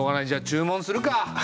じゃあ注文するか。